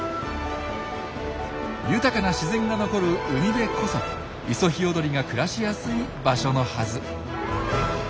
豊かな自然が残る海辺こそイソヒヨドリが暮らしやすい場所のはず。